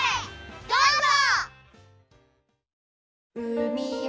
どうぞ！